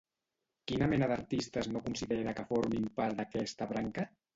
Quina mena d'artistes no considera que formin part d'aquesta branca?